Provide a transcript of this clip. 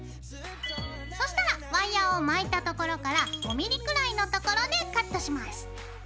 そしたらワイヤーを巻いた所から５ｍｍくらいの所でカットします。